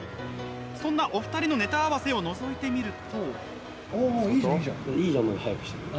そんなお二人のネタ合わせをのぞいてみると。